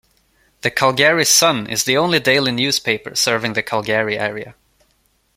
The "Calgary Sun" is the only daily newspaper serving the Calgary area.